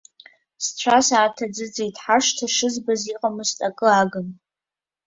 Сцәа сааҭаӡыӡеит, ҳашҭа шызбац иҟамызт, акы агын.